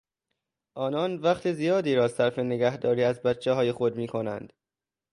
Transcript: آنان وقت زیادی را صرف نگهداری از بچههای خود میکنند.